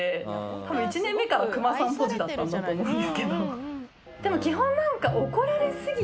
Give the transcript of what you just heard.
多分１年目からくまさんポジだったんだと思うんですけど。